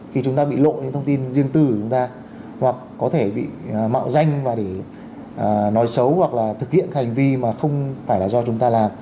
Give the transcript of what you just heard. khi chúng ta bị lộ những thông tin riêng tư của chúng ta hoặc có thể bị mạo danh và để nói xấu hoặc là thực hiện các hành vi mà không phải là do chúng ta làm